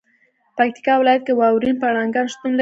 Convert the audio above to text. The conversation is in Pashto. پکتیکا ولایت کې واورین پړانګان شتون لري.